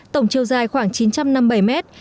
tổng chiều dài khoảng chín trăm năm mươi bảy mét